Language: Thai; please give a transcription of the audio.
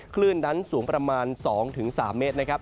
คลื่นนั้นสูงประมาณ๒๓เมตรนะครับ